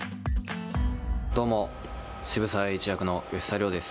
どうも、渋沢栄一役の吉沢亮です。